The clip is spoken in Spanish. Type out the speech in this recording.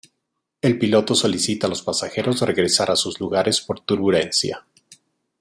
El piloto solicita a los pasajeros regresar a sus lugares por turbulencia.